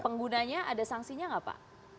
penggunanya ada sanksinya apa